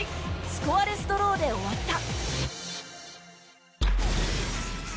スコアレスドローで終わった。